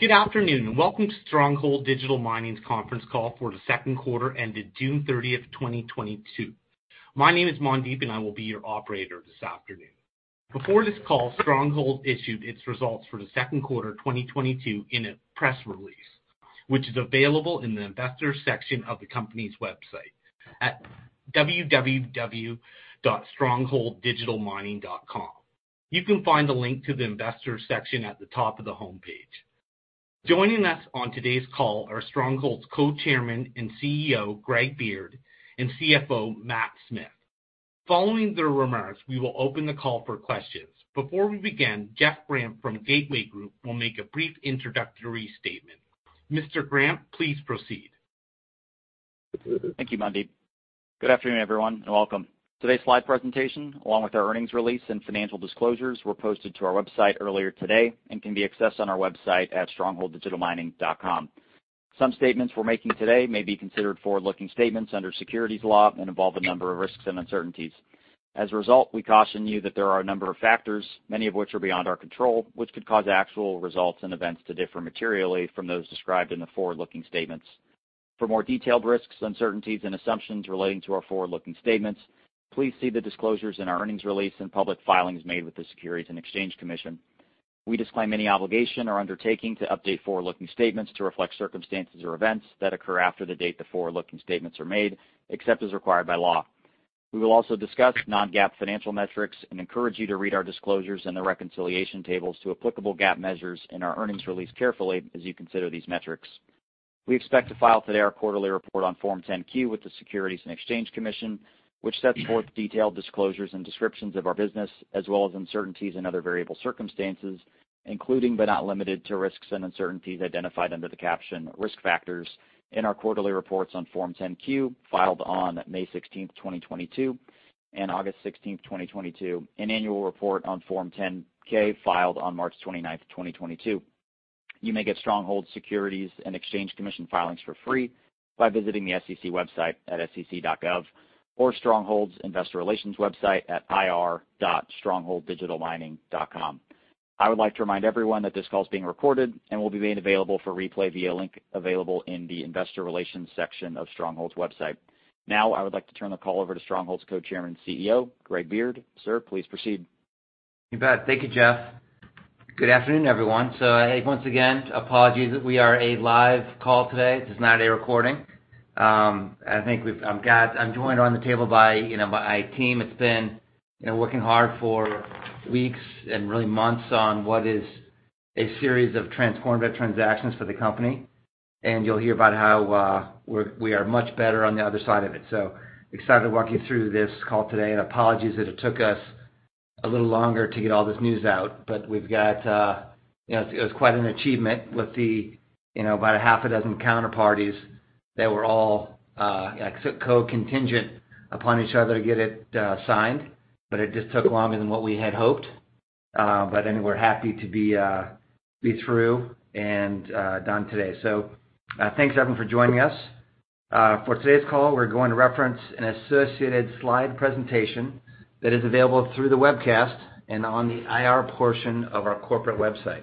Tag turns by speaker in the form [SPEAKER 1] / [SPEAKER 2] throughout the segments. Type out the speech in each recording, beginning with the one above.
[SPEAKER 1] Good afternoon, and welcome to Stronghold Digital Mining's conference call for the second quarter ended June 30th, 2022. My name is Mandeep, and I will be your operator this afternoon. Before this call, Stronghold issued its results for the second quarter 2022 in a press release, which is available in the investor section of the company's website at www.strongholddigitalmining.com. You can find the link to the investor section at the top of the homepage. Joining us on today's call are Stronghold's Co-Chairman and CEO, Greg Beard, and CFO, Matt Smith. Following their remarks, we will open the call for questions. Before we begin, Jeff Grampp from Gateway Group will make a brief introductory statement. Mr. Grampp, please proceed.
[SPEAKER 2] Thank you, Mandeep. Good afternoon, everyone, and welcome. Today's slide presentation, along with our earnings release and financial disclosures, were posted to our website earlier today and can be accessed on our website at strongholddigitalmining.com. Some statements we're making today may be considered forward-looking statements under securities law and involve a number of risks and uncertainties. As a result, we caution you that there are a number of factors, many of which are beyond our control, which could cause actual results and events to differ materially from those described in the forward-looking statements. For more detailed risks, uncertainties, and assumptions relating to our forward-looking statements, please see the disclosures in our earnings release and public filings made with the Securities and Exchange Commission. We disclaim any obligation or undertaking to update forward-looking statements to reflect circumstances or events that occur after the date the forward-looking statements are made, except as required by law. We will also discuss non-GAAP financial metrics and encourage you to read our disclosures and the reconciliation tables to applicable GAAP measures in our earnings release carefully as you consider these metrics. We expect to file today our quarterly report on Form 10-Q with the Securities and Exchange Commission, which sets forth detailed disclosures and descriptions of our business, as well as uncertainties and other variable circumstances, including but not limited to risks and uncertainties identified under the caption Risk Factors in our quarterly reports on Form 10-Q filed on May 16th, 2022, and August 16th, 2022, and annual report on Form 10-K filed on March 29th, 2022. You may get Stronghold's Securities and Exchange Commission filings for free by visiting the SEC website at sec.gov or Stronghold's investor relations website at ir.strongholddigitalmining.com. I would like to remind everyone that this call is being recorded and will be made available for replay via link available in the investor relations section of Stronghold's website. Now, I would like to turn the call over to Stronghold's Co-Chairman and CEO, Greg Beard. Sir, please proceed.
[SPEAKER 3] You bet. Thank you, Jeff. Good afternoon, everyone. Once again, apologies that we are a live call today. This is not a recording. I'm joined on the table by, you know, by a team that's been, you know, working hard for weeks and really months on what is a series of transformative transactions for the company. You'll hear about how we are much better on the other side of it. Excited to walk you through this call today, and apologies that it took us a little longer to get all this news out. We've got, you know, it was quite an achievement with the, you know, about a half a dozen counterparties that were all contingent upon each other to get it signed, but it just took longer than what we had hoped. Anyway, we're happy to be through and done today. Thanks, everyone, for joining us. For today's call, we're going to reference an associated slide presentation that is available through the webcast and on the IR portion of our corporate website.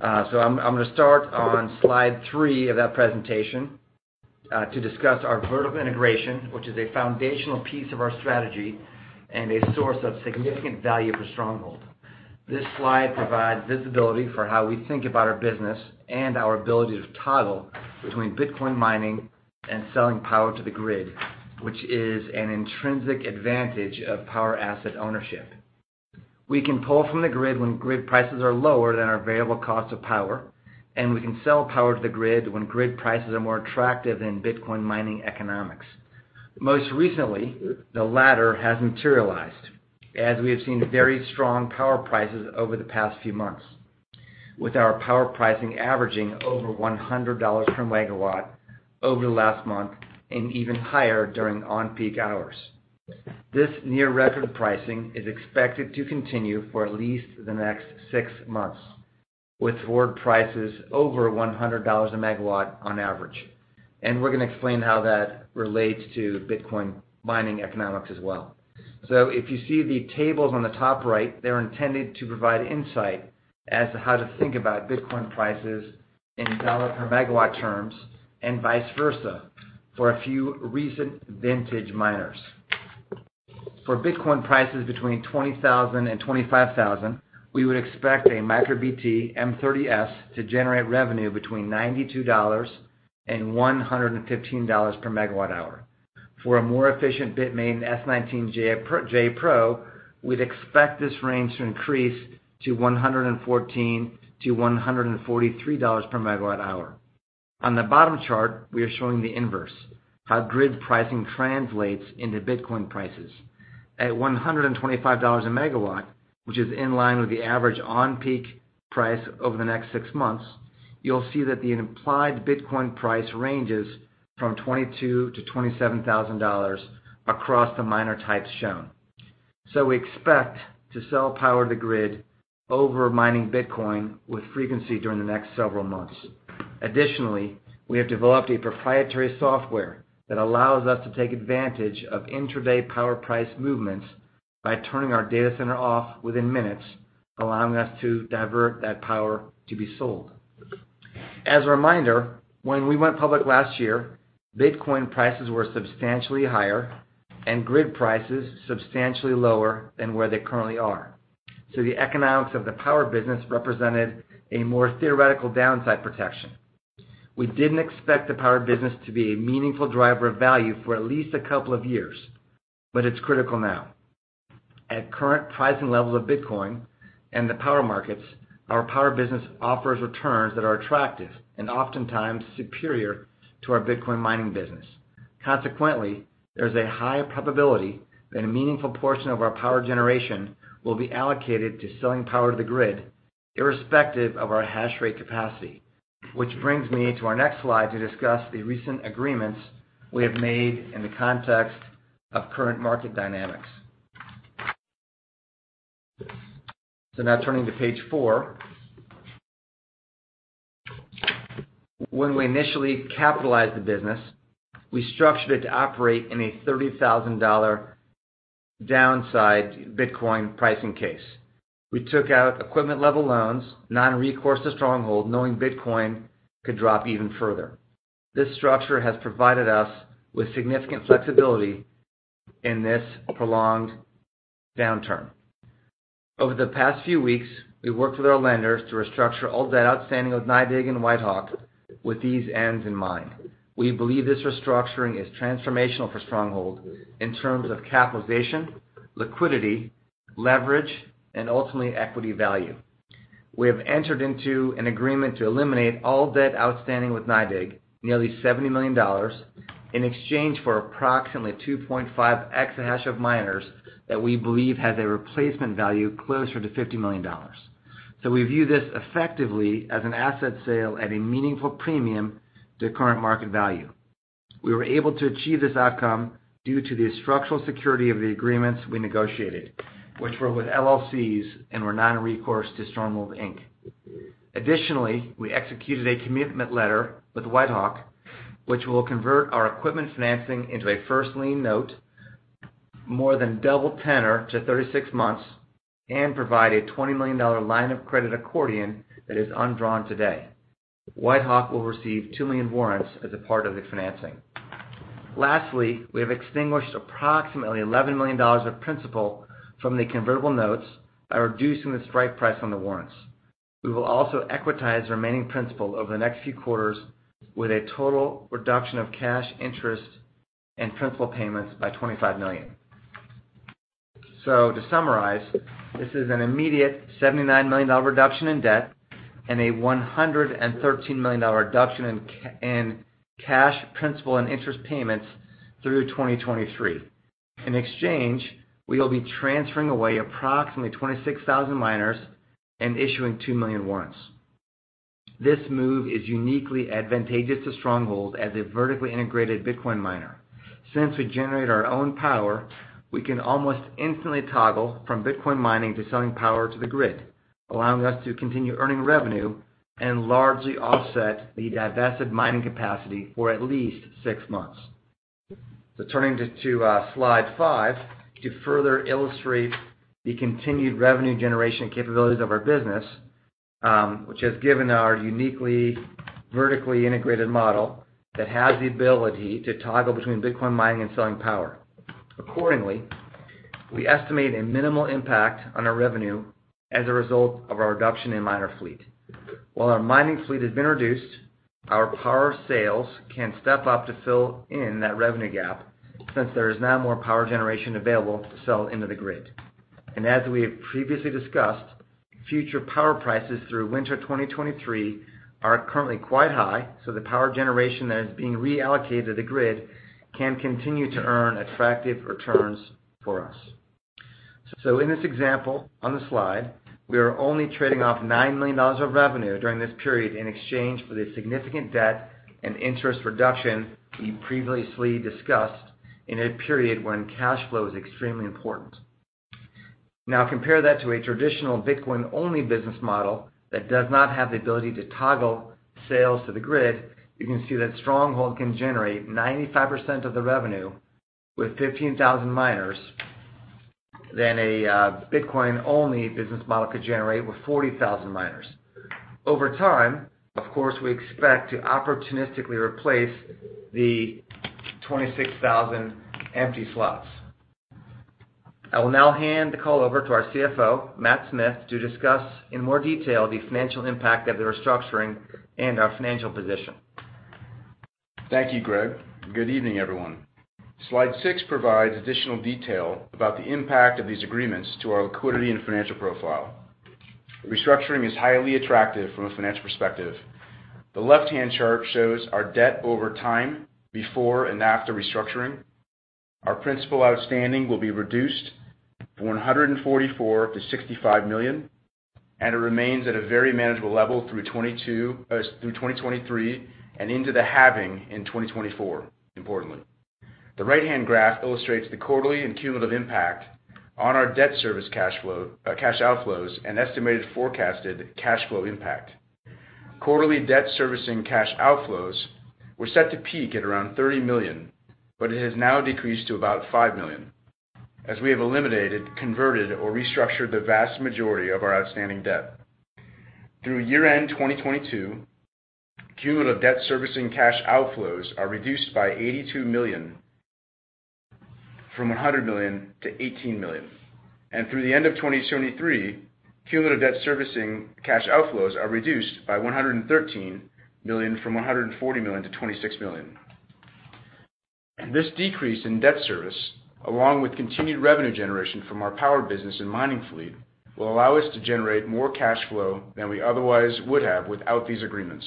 [SPEAKER 3] I'm gonna start on slide three of that presentation to discuss our vertical integration, which is a foundational piece of our strategy and a source of significant value for Stronghold. This slide provides visibility for how we think about our business and our ability to toggle between Bitcoin mining and selling power to the grid, which is an intrinsic advantage of power asset ownership. We can pull from the grid when grid prices are lower than our variable cost of power, and we can sell power to the grid when grid prices are more attractive than Bitcoin mining economics. Most recently, the latter has materialized, as we have seen very strong power prices over the past few months, with our power pricing averaging over $100 per MW over the last month and even higher during on-peak hours. This near-record pricing is expected to continue for at least the next six months, with forward prices over $100 a MW on average. We're gonna explain how that relates to Bitcoin mining economics as well. If you see the tables on the top right, they're intended to provide insight as to how to think about Bitcoin prices in dollar per MW terms and vice versa for a few recent vintage miners. For Bitcoin prices between $20,000 and $25,000, we would expect a MicroBT M30S to generate revenue between $92 and $115 per MWh. For a more efficient Bitmain S19j Pro, we'd expect this range to increase to $114-$143 per MWh. On the bottom chart, we are showing the inverse, how grid pricing translates into Bitcoin prices. At $125 a MW, which is in line with the average on-peak price over the next six months, you'll see that the implied Bitcoin price ranges from $22,000-$27,000 across the miner types shown. We expect to sell power to the grid over mining Bitcoin frequently during the next several months. Additionally, we have developed a proprietary software that allows us to take advantage of intraday power price movements. By turning our data center off within minutes, allowing us to divert that power to be sold. As a reminder, when we went public last year, Bitcoin prices were substantially higher and grid prices substantially lower than where they currently are. The economics of the power business represented a more theoretical downside protection. We didn't expect the power business to be a meaningful driver of value for at least a couple of years, but it's critical now. At current pricing levels of Bitcoin and the power markets, our power business offers returns that are attractive and oftentimes superior to our Bitcoin mining business. Consequently, there's a high probability that a meaningful portion of our power generation will be allocated to selling power to the grid, irrespective of our hash rate capacity. Which brings me to our next slide to discuss the recent agreements we have made in the context of current market dynamics. Now turning to page four. When we initially capitalized the business, we structured it to operate in a $30,000 downside Bitcoin pricing case. We took out equipment level loans, non-recourse to Stronghold, knowing Bitcoin could drop even further. This structure has provided us with significant flexibility in this prolonged downturn. Over the past few weeks, we worked with our lenders to restructure all debt outstanding with NYDIG and WhiteHawk with these ends in mind. We believe this restructuring is transformational for Stronghold in terms of capitalization, liquidity, leverage, and ultimately equity value. We have entered into an agreement to eliminate all debt outstanding with NYDIG, nearly $70 million, in exchange for approximately 2.5 exahash of miners that we believe has a replacement value closer to $50 million. We view this effectively as an asset sale at a meaningful premium to current market value. We were able to achieve this outcome due to the structural security of the agreements we negotiated, which were with LLCs and were non-recourse to Stronghold Inc. Additionally, we executed a commitment letter with WhiteHawk, which will convert our equipment financing into a first lien note, more than double tenor to 36 months, and provide a $20 million line of credit accordion that is undrawn today. WhiteHawk will receive 2 million warrants as a part of the financing. Lastly, we have extinguished approximately $11 million of principal from the convertible notes by reducing the strike price on the warrants. We will also equitize the remaining principal over the next few quarters with a total reduction of cash interest and principal payments by $25 million. To summarize, this is an immediate $79 million reduction in debt and a $113 million reduction in cash, principal, and interest payments through 2023. In exchange, we will be transferring away approximately 26,000 miners and issuing 2 million warrants. This move is uniquely advantageous to Stronghold as a vertically integrated Bitcoin miner. Since we generate our own power, we can almost instantly toggle from Bitcoin mining to selling power to the grid, allowing us to continue earning revenue and largely offset the divested mining capacity for at least six months. Turning to slide five, to further illustrate the continued revenue generation capabilities of our business, which has given our uniquely vertically integrated model that has the ability to toggle between Bitcoin mining and selling power. Accordingly, we estimate a minimal impact on our revenue as a result of our reduction in miner fleet. While our mining fleet has been reduced, our power sales can step up to fill in that revenue gap since there is now more power generation available to sell into the grid. As we have previously discussed, future power prices through winter 2023 are currently quite high, so the power generation that is being reallocated to the grid can continue to earn attractive returns for us. In this example on the slide, we are only trading off $9 million of revenue during this period in exchange for the significant debt and interest reduction we previously discussed in a period when cash flow is extremely important. Now compare that to a traditional Bitcoin-only business model that does not have the ability to toggle sales to the grid. You can see that Stronghold can generate 95% of the revenue with 15,000 miners than a Bitcoin-only business model could generate with 40,000 miners. Over time, of course, we expect to opportunistically replace the 26,000 empty slots. I will now hand the call over to our CFO, Matt Smith, to discuss in more detail the financial impact of the restructuring and our financial position.
[SPEAKER 4] Thank you, Greg. Good evening, everyone. Slide six provides additional detail about the impact of these agreements to our liquidity and financial profile. Restructuring is highly attractive from a financial perspective. The left-hand chart shows our debt over time before and after restructuring. Our principal outstanding will be reduced from $144 million to $65 million, and it remains at a very manageable level through 2023 and into the halving in 2024, importantly. The right-hand graph illustrates the quarterly and cumulative impact on our debt service cash flow, cash outflows and estimated forecasted cash flow impact. Quarterly debt servicing cash outflows. We're set to peak at around $30 million, but it has now decreased to about $5 million as we have eliminated, converted or restructured the vast majority of our outstanding debt. Through year-end 2022, cumulative debt servicing cash outflows are reduced by $82 million from $100 million to $18 million. Through the end of 2023, cumulative debt servicing cash outflows are reduced by $113 million from $140 million to $26 million. This decrease in debt service, along with continued revenue generation from our power business and mining fleet, will allow us to generate more cash flow than we otherwise would have without these agreements.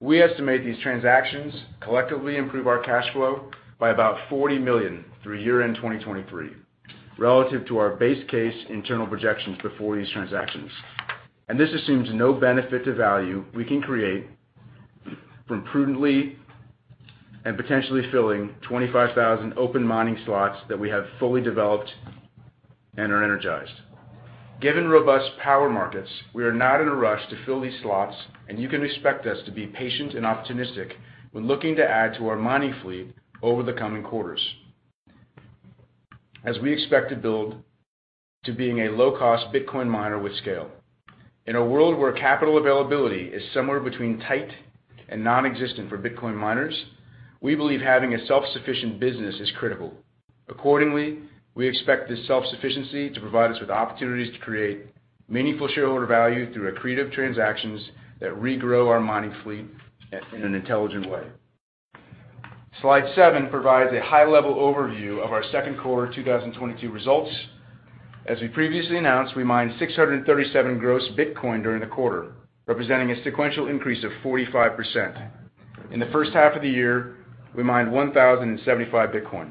[SPEAKER 4] We estimate these transactions collectively improve our cash flow by about $40 million through year-end 2023, relative to our base case internal projections before these transactions. This assumes no benefit to value we can create from prudently and potentially filling 25,000 open mining slots that we have fully developed and are energized. Given robust power markets, we are not in a rush to fill these slots, and you can expect us to be patient and opportunistic when looking to add to our mining fleet over the coming quarters as we expect to build to being a low-cost Bitcoin miner with scale. In a world where capital availability is somewhere between tight and nonexistent for Bitcoin miners, we believe having a self-sufficient business is critical. Accordingly, we expect this self-sufficiency to provide us with opportunities to create meaningful shareholder value through accretive transactions that regrow our mining fleet in an intelligent way. Slide seven provides a high-level overview of our second quarter 2022 results. As we previously announced, we mined 637 gross Bitcoin during the quarter, representing a sequential increase of 45%. In the first half of the year, we mined 1,075 Bitcoin.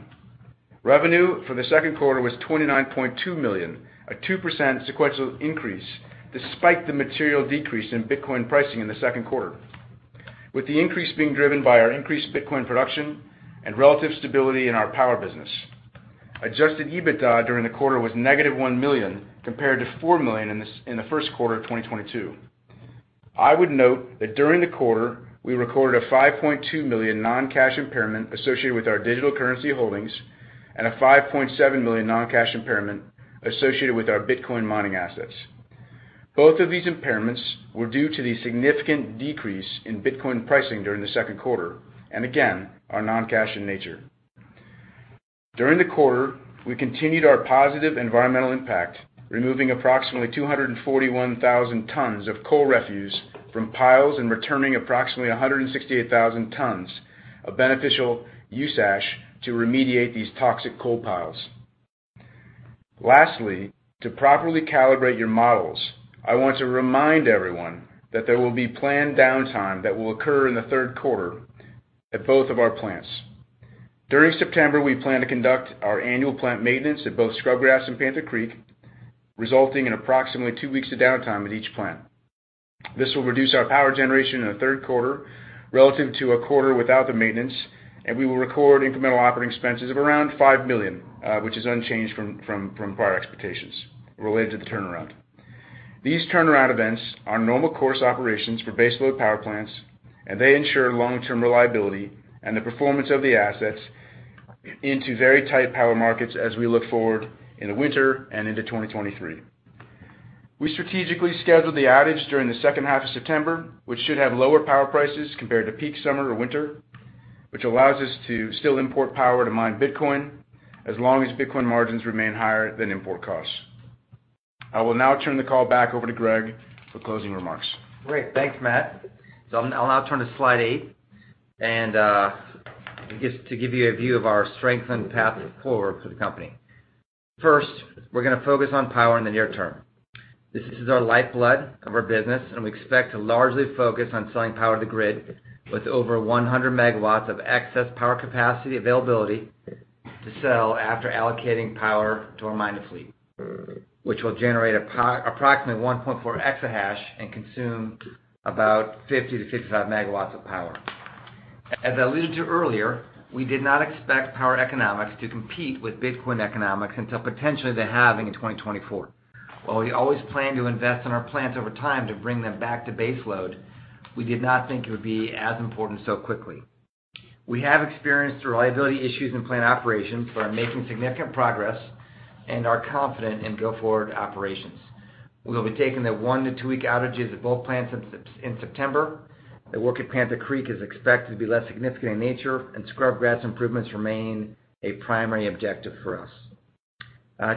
[SPEAKER 4] Revenue for the second quarter was $29.2 million, a 2% sequential increase despite the material decrease in Bitcoin pricing in the second quarter, with the increase being driven by our increased Bitcoin production and relative stability in our power business. Adjusted EBITDA during the quarter was -$1 million compared to $4 million in the first quarter of 2022. I would note that during the quarter, we recorded a $5.2 million non-cash impairment associated with our digital currency holdings and a $5.7 million non-cash impairment associated with our Bitcoin mining assets. Both of these impairments were due to the significant decrease in Bitcoin pricing during the second quarter, and again, are non-cash in nature. During the quarter, we continued our positive environmental impact, removing approximately 241,000 tons of coal refuse from piles and returning approximately 168,000 tons of beneficial use ash to remediate these toxic coal piles. Lastly, to properly calibrate your models, I want to remind everyone that there will be planned downtime that will occur in the third quarter at both of our plants. During September, we plan to conduct our annual plant maintenance at both Scrubgrass and Panther Creek, resulting in approximately two weeks of downtime at each plant. This will reduce our power generation in the third quarter relative to a quarter without the maintenance, and we will record incremental operating expenses of around $5 million, which is unchanged from prior expectations related to the turnaround. These turnaround events are normal course operations for base load power plants, and they ensure long-term reliability and the performance of the assets into very tight power markets as we look forward in the winter and into 2023. We strategically scheduled the outage during the second half of September, which should have lower power prices compared to peak summer or winter, which allows us to still import power to mine Bitcoin as long as Bitcoin margins remain higher than import costs. I will now turn the call back over to Greg for closing remarks.
[SPEAKER 3] Great. Thanks, Matt. I'll now turn to slide eight, and just to give you a view of our strength and path forward for the company. First, we're gonna focus on power in the near term. This is the lifeblood of our business, and we expect to largely focus on selling power to the grid with over 100 MW of excess power capacity availability to sell after allocating power to our mining fleet, which will generate approximately 1.4 exahash and consume about 50-55 MW of power. As I alluded to earlier, we did not expect power economics to compete with Bitcoin economics until potentially the halving in 2024. While we always plan to invest in our plants over time to bring them back to base load, we did not think it would be as important so quickly. We have experienced reliability issues in plant operations, but are making significant progress and are confident in go-forward operations. We will be taking the one to two-week outages at both plants in September. The work at Panther Creek is expected to be less significant in nature, and Scrubgrass improvements remain a primary objective for us.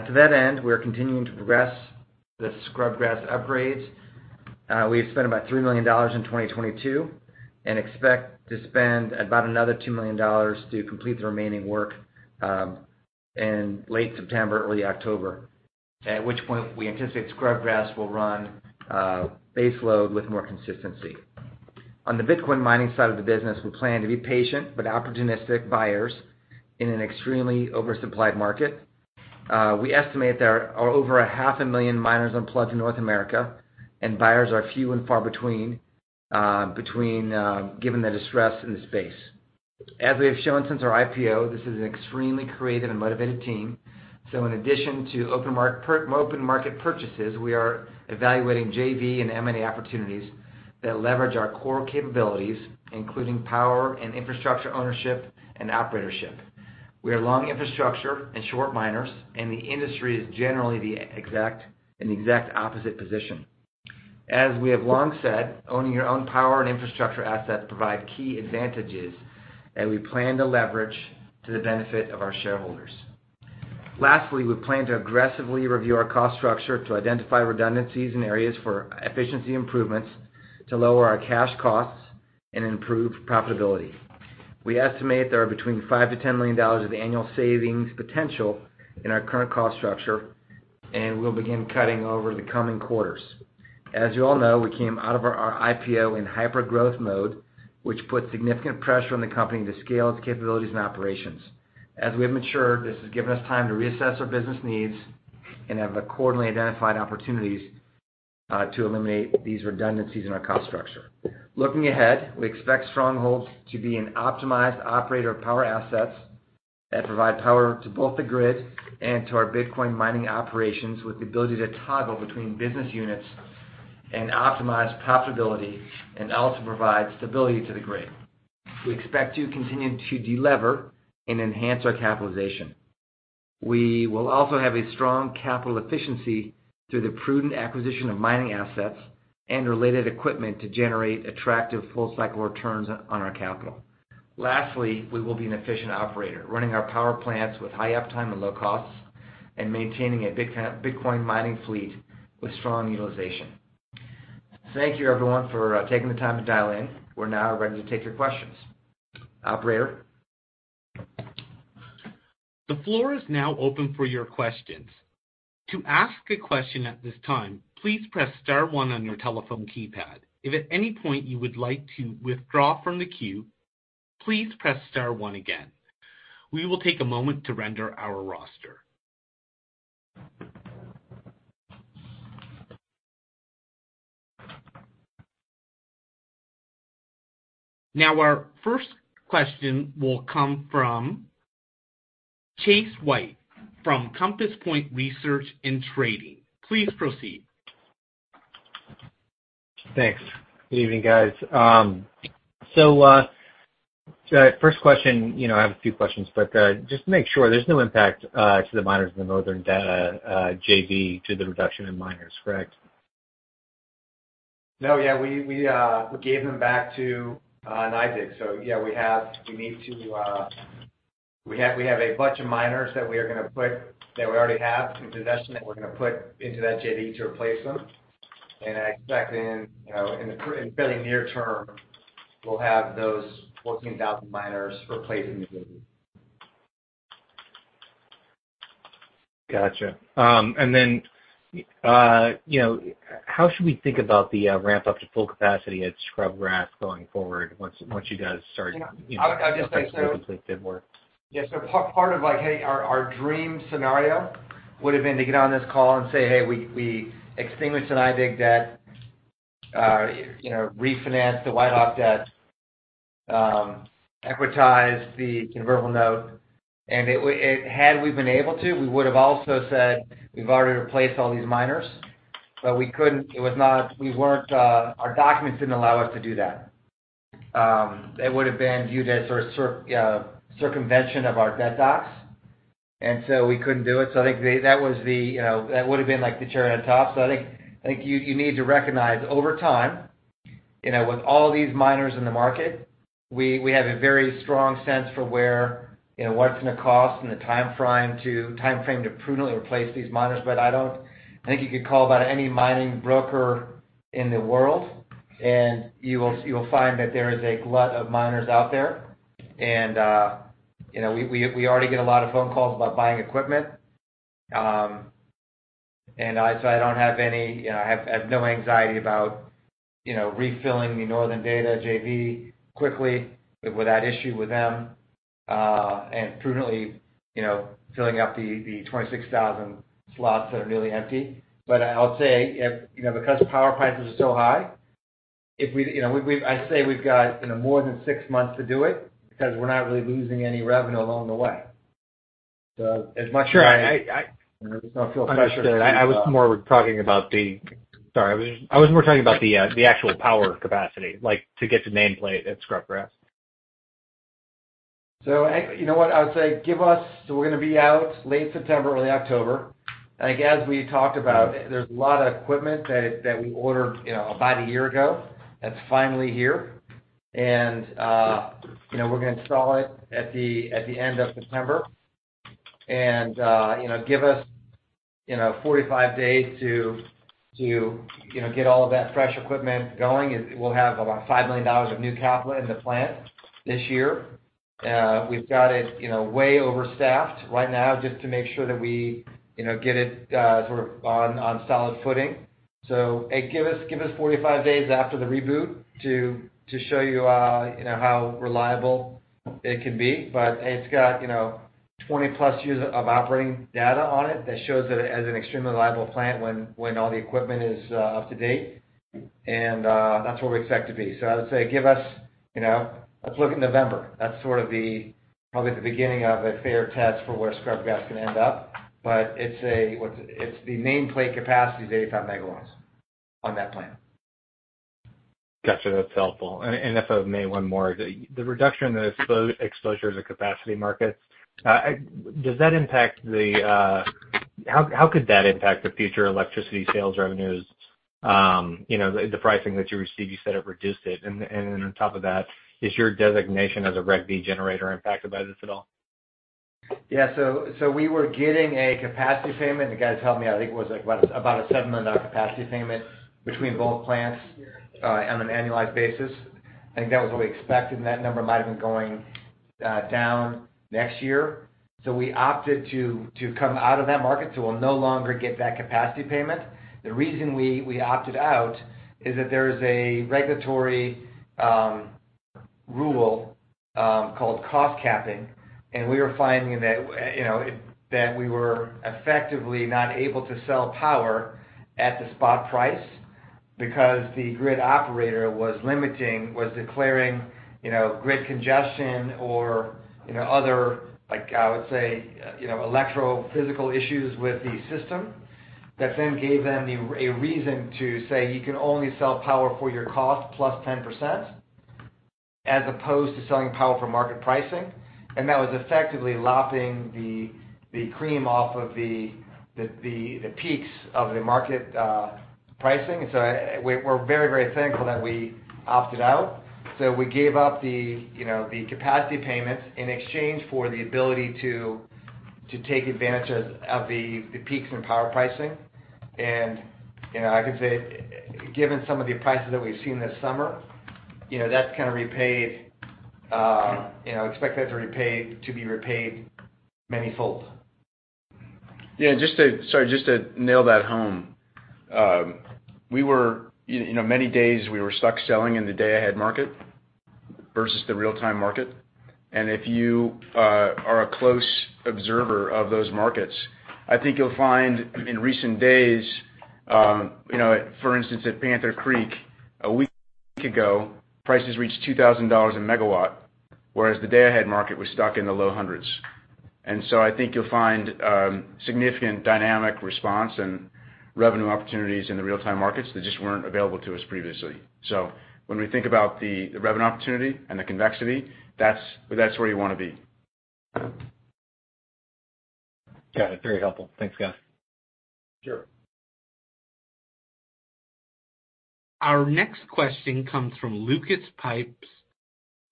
[SPEAKER 3] To that end, we are continuing to progress the Scrubgrass upgrades. We have spent about $3 million in 2022 and expect to spend about another $2 million to complete the remaining work in late September, early October, at which point we anticipate Scrubgrass will run base load with more consistency. On the Bitcoin mining side of the business, we plan to be patient but opportunistic buyers in an extremely oversupplied market. We estimate there are over 500,000 miners unplugged in North America, and buyers are few and far between, given the distress in the space. As we have shown since our IPO, this is an extremely creative and motivated team. In addition to open market purchases, we are evaluating JV and M&A opportunities that leverage our core capabilities, including power and infrastructure ownership and operatorship. We are long infrastructure and short miners, and the industry is generally in the exact opposite position. As we have long said, owning your own power and infrastructure assets provide key advantages that we plan to leverage to the benefit of our shareholders. Lastly, we plan to aggressively review our cost structure to identify redundancies and areas for efficiency improvements to lower our cash costs and improve profitability. We estimate there are between $5 million-$10 million of annual savings potential in our current cost structure, and we'll begin cutting over the coming quarters. As you all know, we came out of our IPO in hyper growth mode, which put significant pressure on the company to scale its capabilities and operations. As we have matured, this has given us time to reassess our business needs and have accordingly identified opportunities to eliminate these redundancies in our cost structure. Looking ahead, we expect Stronghold to be an optimized operator of power assets that provide power to both the grid and to our Bitcoin mining operations, with the ability to toggle between business units and optimize profitability and also provide stability to the grid. We expect to continue to delever and enhance our capitalization. We will also have a strong capital efficiency through the prudent acquisition of mining assets and related equipment to generate attractive full cycle returns on our capital. Lastly, we will be an efficient operator, running our power plants with high uptime and low costs and maintaining a Bitcoin mining fleet with strong utilization. Thank you everyone for taking the time to dial in. We're now ready to take your questions. Operator?
[SPEAKER 1] The floor is now open for your questions. To ask a question at this time, please press star one on your telephone keypad. If at any point you would like to withdraw from the queue, please press star one again. We will take a moment to render our roster. Now our first question will come from Chase White from Compass Point Research & Trading. Please proceed.
[SPEAKER 5] Thanks. Good evening, guys. First question, you know, I have a few questions, but just to make sure, there's no impact to the miners in the Northern Data JV to the reduction in miners, correct?
[SPEAKER 3] No, yeah, we gave them back to NYDIG. So yeah, we have a bunch of miners that we already have in possession that we're gonna put into that JV to replace them. I expect in fairly near term, we'll have those 14,000 miners replaced in the JV.
[SPEAKER 5] Gotcha. Then, you know, how should we think about the ramp up to full capacity at Scrubgrass going forward once you guys start, you know-
[SPEAKER 3] You know, I would just say.
[SPEAKER 5] The complete bid work.
[SPEAKER 3] Yeah. Part of like, hey, our dream scenario would've been to get on this call and say, "Hey, we extinguished the NYDIG debt, you know, refinance the WhiteHawk debt, equitize the convertible note." Had we been able to, we would've also said we've already replaced all these miners, but we couldn't. We weren't. Our documents didn't allow us to do that. It would've been viewed as sort of circumvention of our debt docs, and so we couldn't do it. I think that was the, you know, that would've been like the cherry on top. I think you need to recognize over time, you know, with all these miners in the market, we have a very strong sense for where, you know, what's gonna cost and the timeframe to prudently replace these miners. I think you could call about any mining broker in the world, and you'll find that there is a glut of miners out there. You know, we already get a lot of phone calls about buying equipment. I don't have any, you know, I have no anxiety about, you know, refilling the Northern Data JV quickly without issue with them, and prudently, you know, filling up the 26,000 slots that are nearly empty. I'll say if, you know, because power prices are so high, if we, you know, I'd say we've got, you know, more than six months to do it because we're not really losing any revenue along the way. So as much as
[SPEAKER 5] Sure. I
[SPEAKER 3] You know, just don't feel pressure to.
[SPEAKER 5] Understood. I was more talking about the actual power capacity, like to get to nameplate at Scrubgrass.
[SPEAKER 3] You know what? I would say give us. We're gonna be out late September, early October. I think as we talked about, there's a lot of equipment that we ordered, you know, about a year ago that's finally here. You know, we're gonna install it at the end of September. You know, give us, you know, 45 days to, you know, get all of that fresh equipment going. We'll have about $5 million of new capital in the plant this year. We've got it, you know, way overstaffed right now just to make sure that we, you know, get it sort of on solid footing. Hey, give us 45 days after the reboot to show you know, how reliable it can be, but it's got, you know, 20+ years of operating data on it that shows that as an extremely reliable plant when all the equipment is up to date. That's what we expect to be. I would say give us, you know. Let's look in November. That's sort of the probably the beginning of a fair test for where Scrubgrass can end up. It's the nameplate capacity is 85 MW on that plant.
[SPEAKER 5] Got you. That's helpful. If I may, one more. The reduction in the exposure to capacity markets. How could that impact the future electricity sales revenues, you know, the pricing that you receive, you said it reduced it. Then on top of that, is your designation as a Reg D generator impacted by this at all?
[SPEAKER 3] Yeah. We were getting a capacity payment. The guys helped me. I think it was like about a $7 million capacity payment between both plants on an annualized basis. I think that was what we expected, and that number might have been going down next year. We opted to come out of that market, so we'll no longer get that capacity payment. The reason we opted out is that there is a regulatory rule called price cap, and we were finding that, you know, that we were effectively not able to sell power at the spot price because the grid operator was declaring, you know, grid congestion or, you know, other, like, I would say, you know, electrophysical issues with the system that then gave them a reason to say, "You can only sell power for your cost plus 10%," as opposed to selling power for market pricing. That was effectively lopping the peaks of the market pricing. We're very thankful that we opted out. We gave up the capacity payments in exchange for the ability to take advantage of the peaks in power pricing. You know, I could say, given some of the prices that we've seen this summer, you know, that's kind of repaid. Expect that to be repaid manyfold.
[SPEAKER 4] Sorry, just to nail that home. We were, you know, many days we were stuck selling in the day-ahead market versus the real-time market. If you are a close observer of those markets, I think you'll find in recent days, you know, for instance, at Panther Creek, a week ago, prices reached $2,000 a MW, whereas the day-ahead market was stuck in the low hundreds. I think you'll find significant dynamic response and revenue opportunities in the real-time markets that just weren't available to us previously. When we think about the revenue opportunity and the convexity, that's where you wanna be.
[SPEAKER 5] Got it. Very helpful. Thanks, guys.
[SPEAKER 3] Sure.
[SPEAKER 1] Our next question comes from Lucas Pipes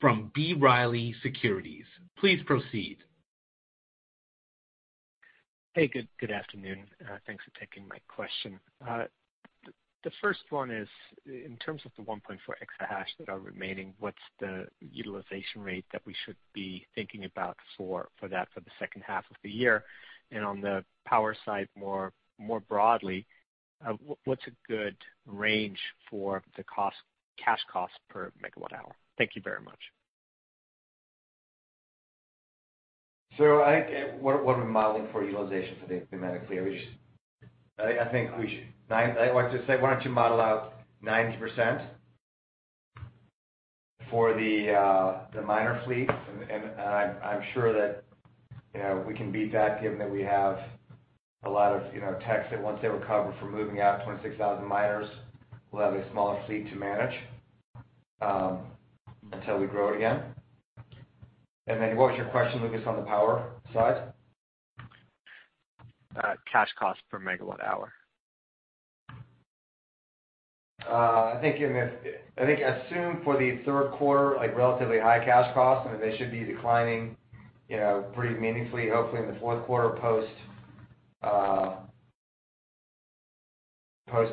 [SPEAKER 1] from B. Riley Securities. Please proceed.
[SPEAKER 6] Hey. Good afternoon. Thanks for taking my question. The first one is, in terms of the 1.4 exahash that are remaining, what's the utilization rate that we should be thinking about for that for the second half of the year? And on the power side, more broadly, what's a good range for the cash cost per MWh? Thank you very much.
[SPEAKER 3] I think what we're modeling for utilization for the ASIC fleet. I think we should. I want to say, why don't you model out 90% for the miner fleet? I'm sure that, you know, we can beat that given that we have a lot of, you know, techs that once they recover from moving out 26,000 miners, we'll have a smaller fleet to manage until we grow it again. Then what was your question, Lucas, on the power side?
[SPEAKER 6] Cash cost per MWh.
[SPEAKER 3] I think assume for the third quarter, like, relatively high cash costs, and they should be declining, you know, pretty meaningfully, hopefully in the fourth quarter post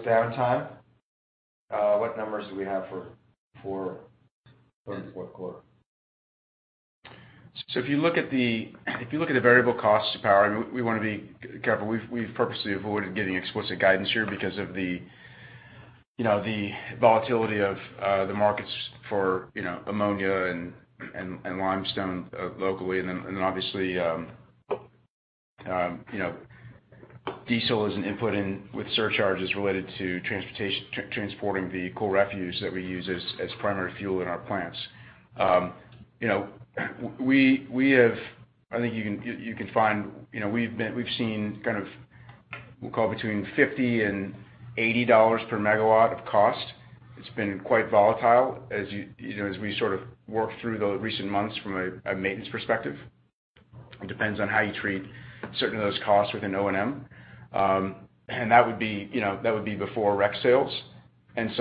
[SPEAKER 3] downtime. What numbers do we have for third and fourth quarter?
[SPEAKER 4] If you look at the variable costs to power, we wanna be careful. We've purposely avoided giving explicit guidance here because of the, you know, the volatility of the markets for, you know, ammonia and limestone, locally. Obviously, you know, diesel as an input and with surcharges related to transporting the coal refuse that we use as primary fuel in our plants. I think you can find. You know, we've seen kind of, we'll call it between $50 and $80 per MW of cost. It's been quite volatile, as you know, as we sort of work through the recent months from a maintenance perspective. It depends on how you treat certain of those costs within O&M. That would be, you know, that would be before REC sales. As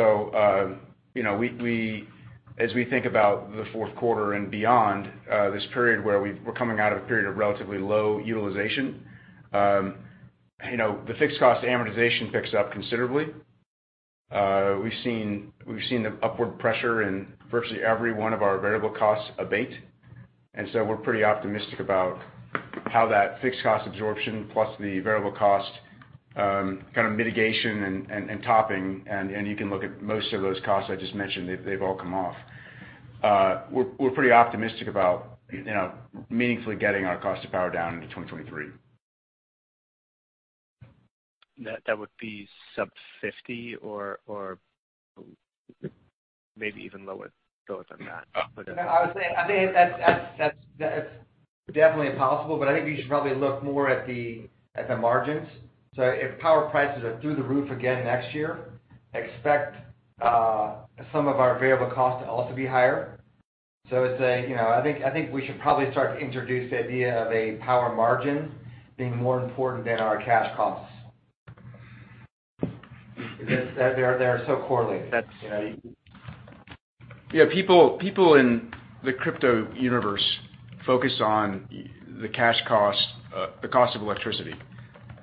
[SPEAKER 4] we think about the fourth quarter and beyond, this period where we're coming out of a period of relatively low utilization, you know, the fixed cost amortization picks up considerably. We've seen the upward pressure in virtually every one of our variable costs abate. We're pretty optimistic about how that fixed cost absorption plus the variable cost kind of mitigation and topping, and you can look at most of those costs I just mentioned, they've all come off. We're pretty optimistic about, you know, meaningfully getting our cost of power down into 2023.
[SPEAKER 6] That would be sub 50 or maybe even lower than that.
[SPEAKER 4] I would say, I think that's definitely possible, but I think you should probably look more at the margins. If power prices are through the roof again next year, expect some of our variable costs to also be higher. It's a, you know, I think we should probably start to introduce the idea of a power margin being more important than our cash costs. They're so correlated.
[SPEAKER 6] That's-
[SPEAKER 4] Yeah. People in the crypto universe focus on the cash cost, the cost of electricity,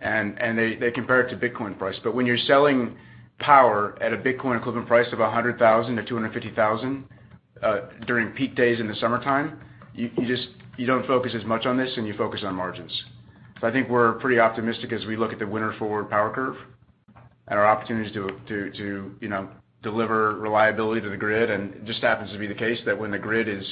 [SPEAKER 4] and they compare it to Bitcoin price. When you're selling power at a Bitcoin equivalent price of $100,000-$250,000 during peak days in the summertime, you just don't focus as much on this, and you focus on margins. I think we're pretty optimistic as we look at the winter forward power curve and our opportunities to you know deliver reliability to the grid. It just happens to be the case that when the grid is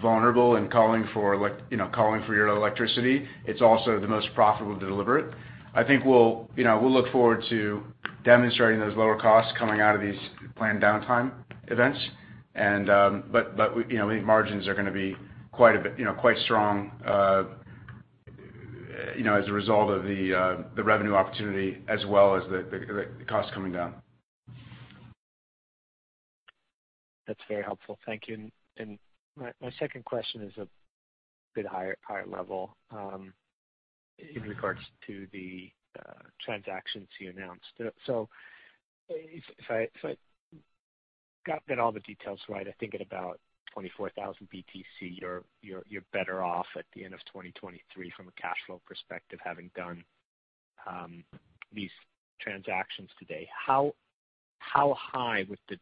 [SPEAKER 4] vulnerable and calling for you know calling for your electricity, it's also the most profitable to deliver it. I think we'll you know look forward to demonstrating those lower costs coming out of these planned downtime events. You know, I think margins are gonna be quite a bit, you know, quite strong, you know, as a result of the revenue opportunity as well as the cost coming down.
[SPEAKER 6] That's very helpful. Thank you. My second question is a bit higher level in regards to the transactions you announced. If I got all the details right, I think at about 24,000 BTC, you're better off at the end of 2023 from a cash flow perspective, having done these transactions today. How high would the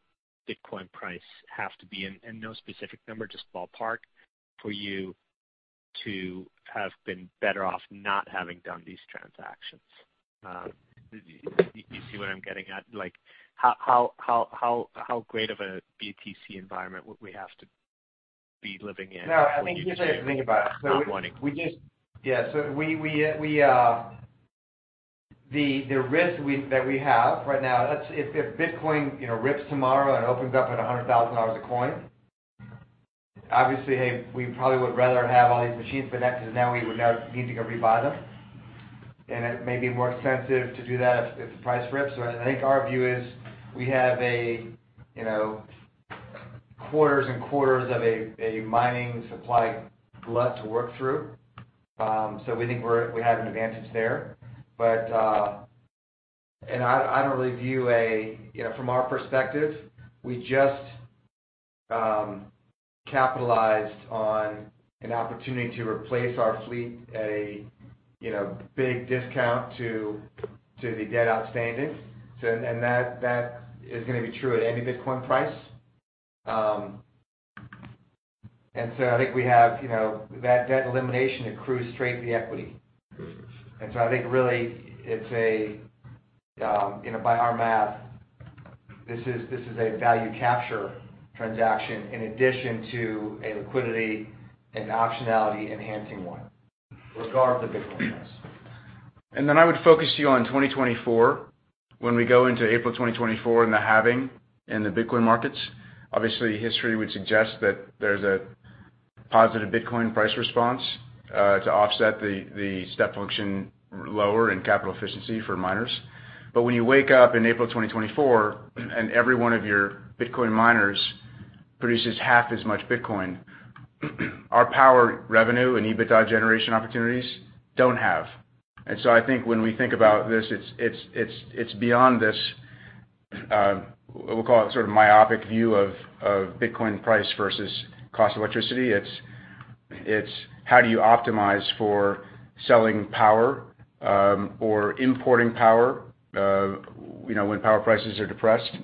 [SPEAKER 6] Bitcoin price have to be, and no specific number, just ballpark, for you to have been better off not having done these transactions? Do you see what I'm getting at? Like how great of a BTC environment would we have to be living in?
[SPEAKER 4] No, I think here's how you think about it.
[SPEAKER 6] Not wanting.
[SPEAKER 4] The risk that we have right now, if Bitcoin, you know, rips tomorrow and opens up at $100,000 a coin, obviously, hey, we probably would rather have all these machines for that because now we would need to go rebuy them. It may be more expensive to do that if the price rips. I think our view is we have, you know, quarters and quarters of a mining supply glut to work through, so we think we have an advantage there. I don't really view a, you know, from our perspective, we just capitalized on an opportunity to replace our fleet at a, you know, big discount to the debt outstanding. That is gonna be true at any Bitcoin price. I think we have, you know, that debt elimination accrues straight to the equity. I think really it's a, you know, by our math, this is a value capture transaction in addition to a liquidity and optionality enhancing one, regardless of Bitcoin price. I would focus you on 2024. When we go into April 2024 and the halving in the Bitcoin markets, obviously history would suggest that there's a positive Bitcoin price response to offset the step function lower in capital efficiency for miners. When you wake up in April 2024 and every one of your Bitcoin miners produces half as much Bitcoin, our power revenue and EBITDA generation opportunities don't halve. I think when we think about this, it's beyond this, we'll call it sort of myopic view of Bitcoin price versus cost of electricity. It's how do you optimize for selling power, or importing power, you know, when power prices are depressed?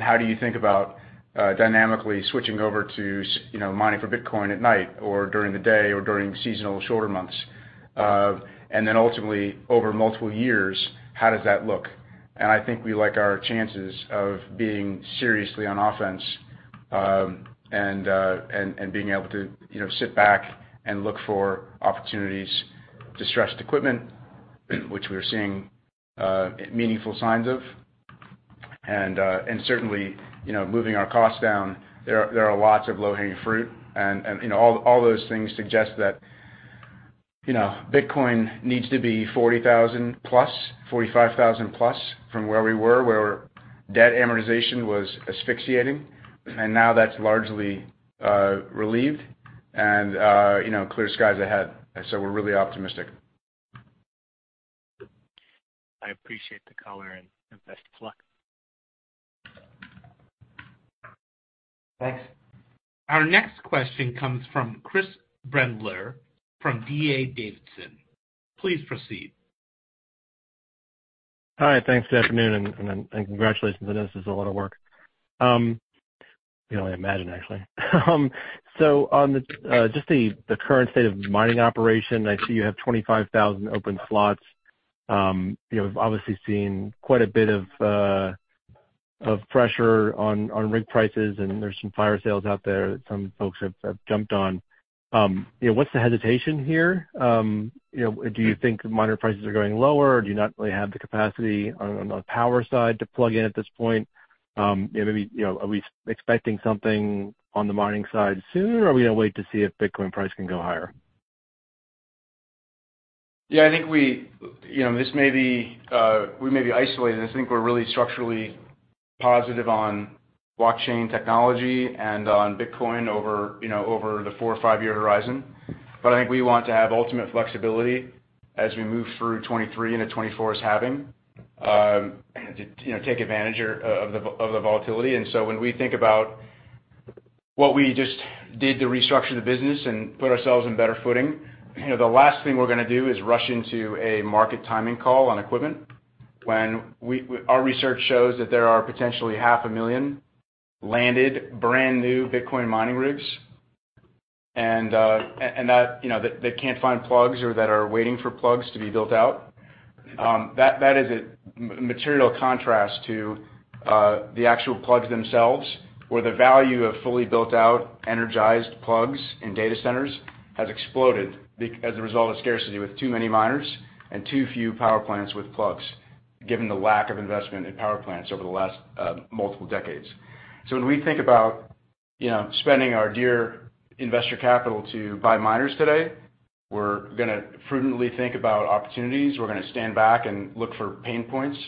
[SPEAKER 4] How do you think about dynamically switching over to mining for Bitcoin at night or during the day or during seasonal shoulder months? Then ultimately, over multiple years, how does that look? I think we like our chances of being seriously on offense, and being able to, you know, sit back and look for opportunities, distressed equipment, which we are seeing meaningful signs of, and certainly, you know, moving our costs down. There are lots of low-hanging fruit and, you know, all those things suggest that, you know, Bitcoin needs to be $40,000+, $45,000+ from where we were, where debt amortization was asphyxiating. Now that's largely relieved and, you know, clear skies ahead. We're really optimistic.
[SPEAKER 6] I appreciate the color and best of luck.
[SPEAKER 4] Thanks.
[SPEAKER 1] Our next question comes from Chris Brendler from D.A. Davidson. Please proceed.
[SPEAKER 7] Hi. Thanks, good afternoon, and congratulations. I know this is a lot of work. You know, I imagine actually. On just the current state of mining operation, I see you have 25,000 open slots. You know, obviously seen quite a bit of pressure on rig prices, and there's some fire sales out there that some folks have jumped on. You know, what's the hesitation here? You know, do you think miner prices are going lower? Do you not really have the capacity on the power side to plug in at this point? You know, maybe, you know, are we expecting something on the mining side soon, or are we gonna wait to see if Bitcoin price can go higher?
[SPEAKER 4] Yeah, I think you know, this may be, we may be isolated. I think we're really structurally positive on blockchain technology and on Bitcoin over, you know, over the four or five-year horizon. I think we want to have ultimate flexibility as we move through 2023 into 2024 is having, to, you know, take advantage of the volatility. When we think about what we just did to restructure the business and put ourselves in better footing, you know, the last thing we're gonna do is rush into a market timing call on equipment when we our research shows that there are potentially 500,000 landed brand-new Bitcoin mining rigs. And that, you know, that can't find plugs or that are waiting for plugs to be built out. That is a material contrast to the actual plugs themselves, where the value of fully built-out energized plugs and data centers has exploded as a result of scarcity with too many miners and too few power plants with plugs, given the lack of investment in power plants over the last multiple decades. When we think about, you know, spending our dear investor capital to buy miners today, we're gonna prudently think about opportunities. We're gonna stand back and look for pain points,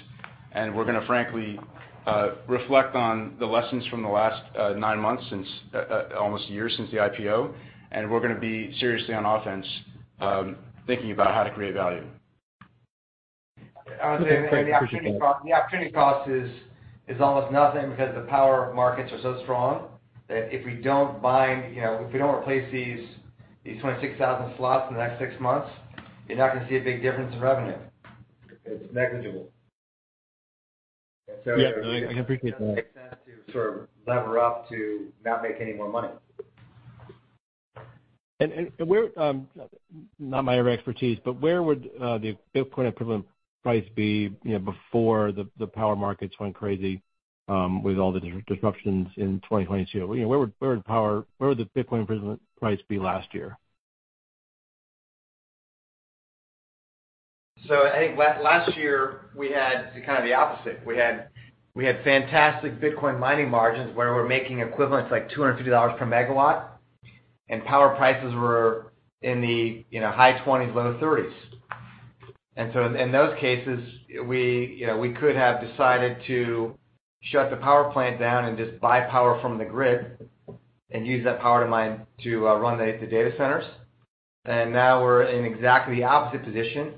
[SPEAKER 4] and we're gonna frankly reflect on the lessons from the last nine months since almost a year since the IPO. We're gonna be seriously on offense thinking about how to create value.
[SPEAKER 7] Great. Appreciate that.
[SPEAKER 3] The opportunity cost is almost nothing because the power markets are so strong that if we don't buy, you know, if we don't replace these 26,000 slots in the next six months, you're not gonna see a big difference in revenue. It's negligible.
[SPEAKER 7] Yeah. No, I appreciate that.
[SPEAKER 3] It doesn't make sense to sort of lever up to not make any more money.
[SPEAKER 7] Where not my area of expertise, but where would the Bitcoin equivalent price be, you know, before the power markets went crazy, with all the disruptions in 2022? You know, where would the Bitcoin equivalent price be last year?
[SPEAKER 3] I think last year we had kind of the opposite. We had fantastic Bitcoin mining margins where we're making equivalents like $250 per MW, and power prices were in the, you know, high 20s, low 30s. In those cases we, you know, we could have decided to shut the power plant down and just buy power from the grid and use that power to run the data centers. Now we're in exactly the opposite position,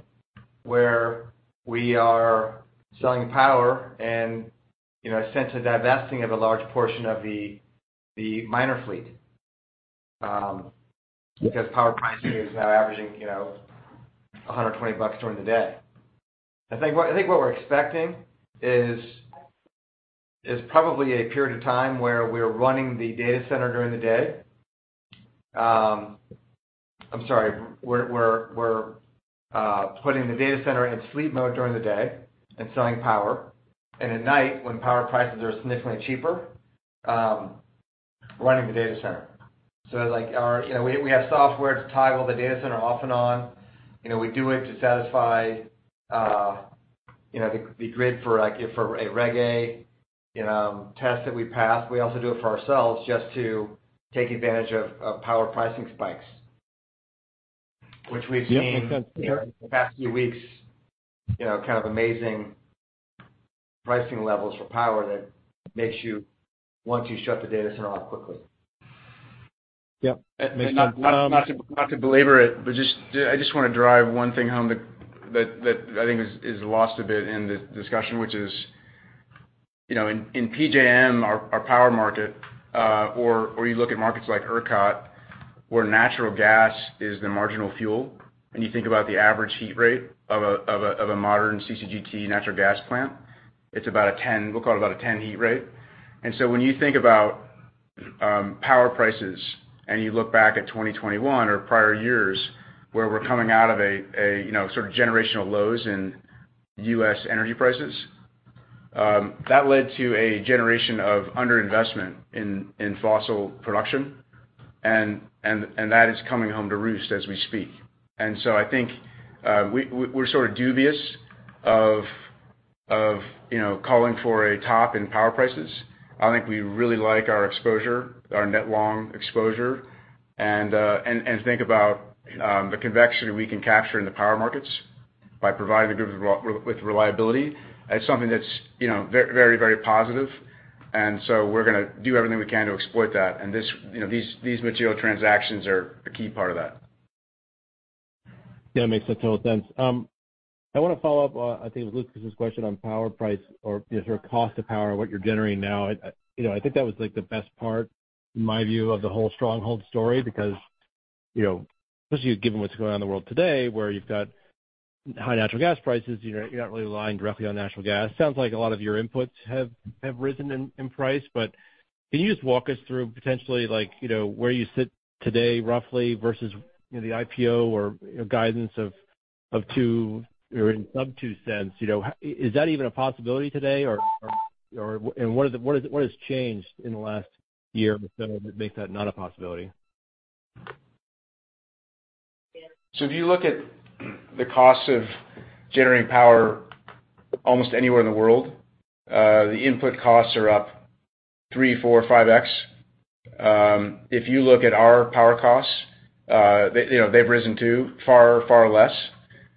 [SPEAKER 3] where we are selling power and, you know, essentially divesting of a large portion of the miner fleet, because power pricing is now averaging, you know, $120 during the day. I think what we're expecting is probably a period of time where we're running the data center during the day. I'm sorry. We're putting the data center in sleep mode during the day and selling power. At night, when power prices are significantly cheaper, running the data center. Like our, you know, we have software to toggle the data center off and on. You know, we do it to satisfy, you know, the grid for like, for a Reg A, you know, test that we pass. We also do it for ourselves just to take advantage of power pricing spikes. Which we've seen.
[SPEAKER 7] Yeah.
[SPEAKER 3] The past few weeks, you know, kind of amazing pricing levels for power that makes you want to shut the data center off quickly.
[SPEAKER 7] Yeah.
[SPEAKER 4] Not to belabor it, but just, I just wanna drive one thing home that I think is lost a bit in the discussion, which is, you know, in PJM, our power market, or you look at markets like ERCOT, where natural gas is the marginal fuel, and you think about the average heat rate of a modern CCGT natural gas plant, it's about a 10, we'll call it about a 10 heat rate. When you think about power prices and you look back at 2021 or prior years where we're coming out of a you know sort of generational lows in U.S. energy prices, that led to a generation of underinvestment in fossil production and that is coming home to roost as we speak. I think we are sort of dubious of you know calling for a top in power prices. I think we really like our exposure, our net long exposure, and think about the convexity we can capture in the power markets by providing the grid with reliability as something that's you know very positive. We're gonna do everything we can to exploit that. This you know these material transactions are a key part of that.
[SPEAKER 7] Yeah, makes total sense. I want to follow up on, I think it was Lucas's question on power price or just your cost of power, what you're generating now. You know, I think that was like the best part in my view of the whole Stronghold story because you know, especially given what's going on in the world today, where you've got high natural gas prices, you know, you're not really relying directly on natural gas. Sounds like a lot of your inputs have risen in price. But can you just walk us through potentially, like, you know, where you sit today roughly versus, you know, the IPO or, you know, guidance of two or in sub two cents, you know. Is that even a possibility today or. What has changed in the last year or so that makes that not a possibility?
[SPEAKER 4] If you look at the cost of generating power almost anywhere in the world, the input costs are up 3x, 4x, 5x. If you look at our power costs, you know, they've risen too, far less.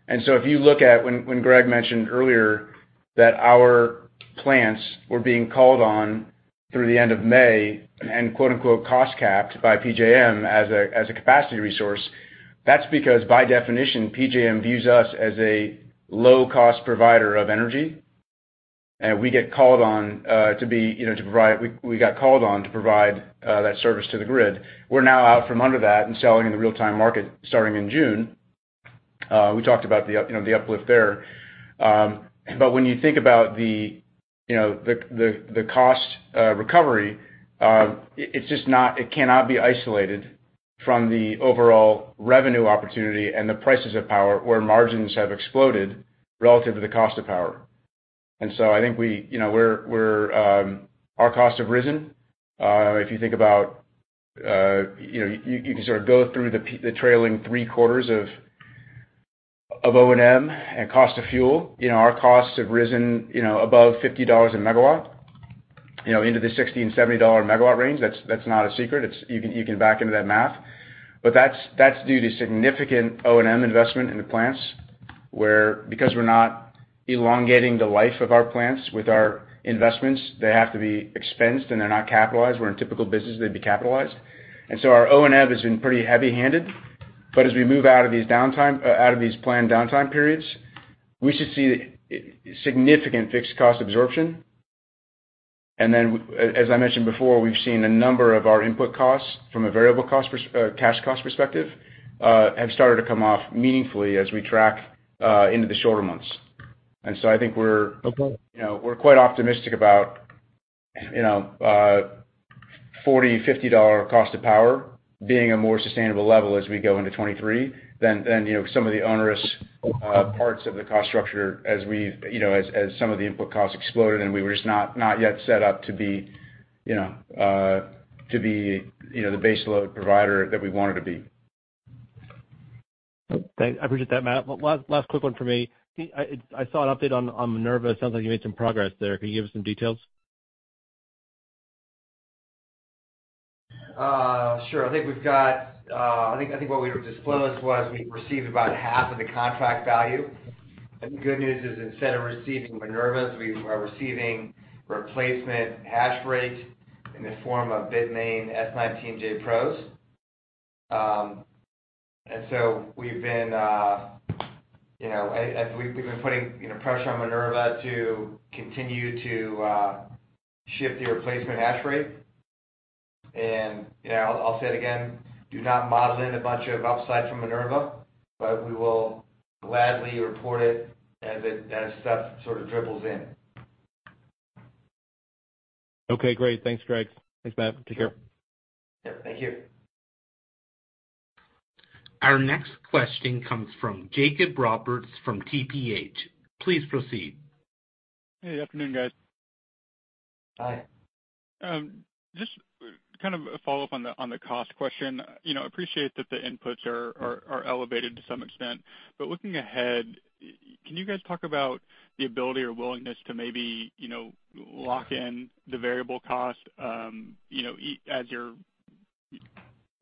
[SPEAKER 4] If you look at when Greg mentioned earlier that our plants were being called on through the end of May and quote-unquote, "cost-capped" by PJM as a capacity resource, that's because, by definition, PJM views us as a low-cost provider of energy. We get called on to provide that service to the grid. We're now out from under that and selling in the real-time market starting in June. We talked about the uplift there. When you think about the, you know, the cost recovery, it's just not. It cannot be isolated from the overall revenue opportunity and the prices of power, where margins have exploded relative to the cost of power. I think we, you know, we're. Our costs have risen. If you think about, you know, you can sort of go through the trailing three quarters of O&M and cost of fuel. You know, our costs have risen, you know, above $50 a MW, you know, into the $60-$70 MW range. That's not a secret. It's. You can back into that math. That's due to significant O&M investment in the plants, where because we're not elongating the life of our plants with our investments, they have to be expensed, and they're not capitalized, where in typical business they'd be capitalized. Our O&M has been pretty heavy-handed. As we move out of these planned downtime periods, we should see significant fixed cost absorption. As I mentioned before, we've seen a number of our input costs from a variable cost cash cost perspective have started to come off meaningfully as we track into the shorter months. I think we're
[SPEAKER 7] Okay.
[SPEAKER 4] You know, we're quite optimistic about, you know, $40-$50 cost of power being a more sustainable level as we go into 2023 than you know, some of the onerous parts of the cost structure as we, you know, as some of the input costs exploded, and we were just not yet set up to be, you know, to be, you know, the base load provider that we wanted to be.
[SPEAKER 7] Thanks. I appreciate that, Matt. Last quick one for me. I saw an update on MinerVa. Sounds like you made some progress there. Can you give us some details?
[SPEAKER 4] Sure. I think what we disclosed was we received about half of the contract value. The good news is, instead of receiving MinerVas, we are receiving replacement hash rate in the form of Bitmain S19j Pros. We've been, you know, putting pressure on MinerVa to continue to ship the replacement hash rate. You know, I'll say it again, do not model in a bunch of upside from MinerVa, but we will gladly report it as stuff sort of dribbles in.
[SPEAKER 7] Okay, great. Thanks, Greg. Thanks, Matt. Take care.
[SPEAKER 4] Yeah, thank you.
[SPEAKER 1] Our next question comes from Jake Roberts from TPH. Please proceed.
[SPEAKER 8] Hey, good afternoon, guys.
[SPEAKER 4] Hi.
[SPEAKER 8] Just kind of a follow-up on the cost question. You know, appreciate that the inputs are elevated to some extent. Looking ahead, can you guys talk about the ability or willingness to maybe, you know, lock in the variable cost, as you're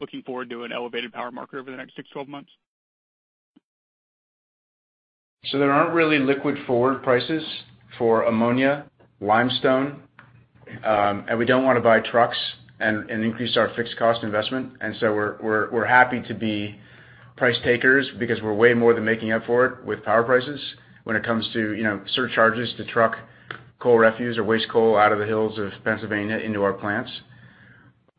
[SPEAKER 8] looking forward to an elevated power market over the next six, 12 months?
[SPEAKER 4] There aren't really liquid forward prices for ammonia, limestone, and we don't want to buy trucks and increase our fixed cost investment. We're happy to be price takers because we're way more than making up for it with power prices when it comes to surcharges to truck coal refuse or waste coal out of the hills of Pennsylvania into our plants.